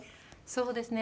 そうですね。